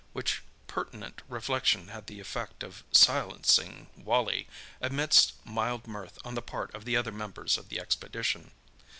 —which pertinent reflection had the effect of silencing Wally, amidst mild mirth on the part of the other members of the expedition.